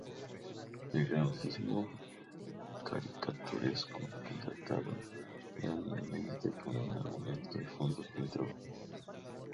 El grafismo caricaturesco contrastaba grandemente con un argumento y fondos muy trabajados.